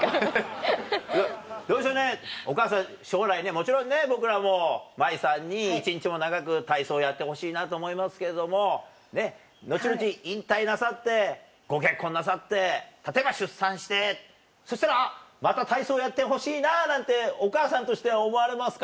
どうでしょうねお母さん将来ねもちろんね僕らも茉愛さんに一日も長く体操をやってほしいなと思いますけれどもねっ後々引退なさってご結婚なさって例えば出産してそしたらまた体操やってほしいななんてお母さんとしては思われますか？